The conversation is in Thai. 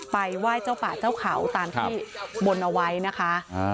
ไหว้เจ้าป่าเจ้าเขาตามที่บนเอาไว้นะคะ